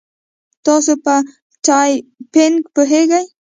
تاسو په ټایپینګ پوهیږئ؟